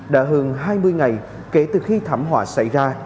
đã hơn hai mươi ngày kể từ khi thảm họa xảy ra